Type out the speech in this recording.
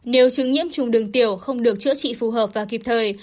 nếu chứng nhiễm trùng đường tiểu không được chữa trị phù hợp và kịp thời